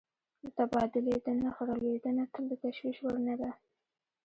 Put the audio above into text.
د تبادلې د نرخ رالوېدنه تل د تشویش وړ نه ده.